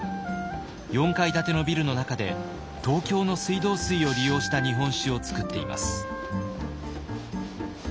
４階建てのビルの中で東京の水道水を利用した日本酒を造っています。